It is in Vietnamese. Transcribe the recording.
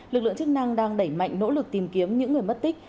lực lượng chức năng đang đẩy mạnh nỗ lực tìm kiếm những người mất tích